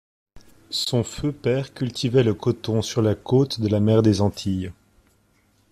Son feu père cultivait le coton sur la côte de la mer des Antilles.